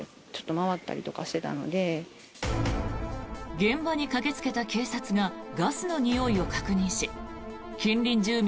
現場に駆けつけた警察がガスのにおいを確認し近隣住民